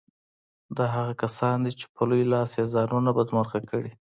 دا هغه کسان دي چې په لوی لاس یې ځانونه بدمرغه کړي